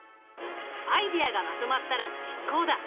アイデアがまとまったら実行だ！